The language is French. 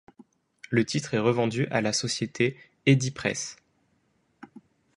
Le titre est revendu à la société Edi-Presse.